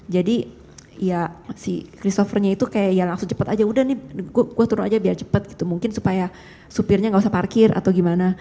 jadi ya si christopher itu kayak langsung cepet aja udah nih gue turun aja biar cepet gitu mungkin supaya supirnya gak usah parkir atau gimana